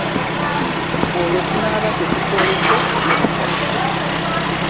Olwo tunaaba tetukwolese kusiima kwaffe.